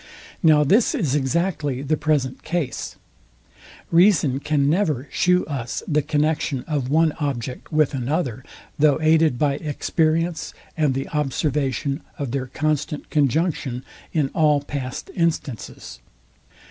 Now this is exactly the present case. Reason can never shew us the connexion of one object with another, though aided by experience, and the observation of their constant conjunction in all past instances.